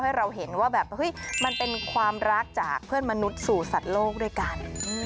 ให้เราเห็นว่าแบบมันเป็นความรักจากเพื่อนมนุษย์สู่สัตว์โลกด้วยกัน